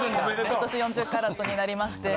今年４０カラットになりまして。